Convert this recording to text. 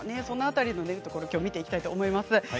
その辺りのところきょうは見ていきたいと思います。